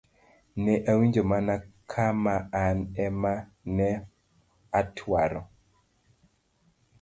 Ne awinjo mana kama an ema ne atwora.